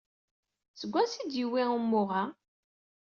Seg wansi ay d-yewwi umuɣ-a?